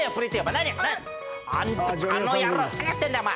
何やってんだお前。